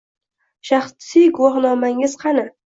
Shaxsiy guvohnomangiz qani?